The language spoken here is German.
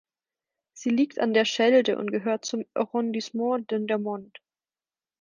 Sie liegt an der Schelde und gehört zum Arrondissement Dendermonde.